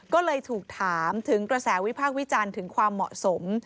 ก็เลยถูกถามถึงกระแสวิพากษ์วิจารณ์ถึงความเหมาะสม